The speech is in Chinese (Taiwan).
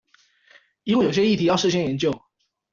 因為有些議題要事先研究